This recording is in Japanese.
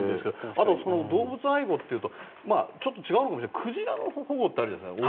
あと動物愛護というとちょっと違うかもしれないけどクジラの保護ってあるじゃないですか。